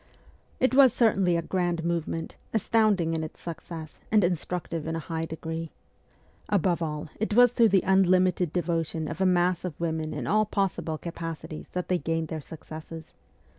It was certainly a grand movement, astounding in its success and instructive in a high degree. Above all it was through the unlimited devotion of a mass of women in all possible capacities that they gained their successes.